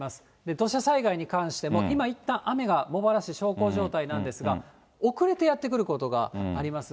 土砂災害に関しても今、いったん雨が茂原市、小康状態なんですが、遅れてやって来ることがあります。